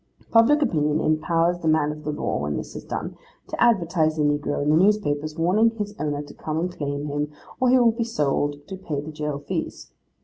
Public opinion impowers the man of law when this is done, to advertise the negro in the newspapers, warning his owner to come and claim him, or he will be sold to pay the jail fees.